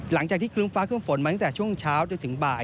หลังจากที่ครึ้มฟ้าครึ่มฝนมาตั้งแต่ช่วงเช้าจนถึงบ่าย